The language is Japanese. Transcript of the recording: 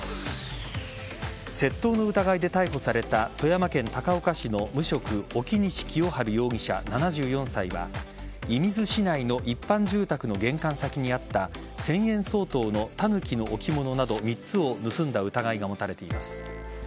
窃盗の疑いで逮捕された富山県高岡市の無職沖西清春容疑者、７４歳は射水市内の一般住宅の玄関先にあった１０００円相当のタヌキの置物など３つを盗んだ疑いが持たれています。